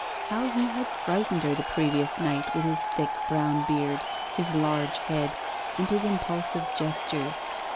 How he had frightened her the previous night with his thick brown beard, his large head, and his impulsive gestures.